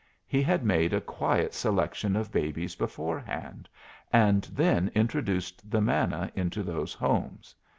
He had made a quiet selection of babies beforehand, and then introduced the manna into those homes.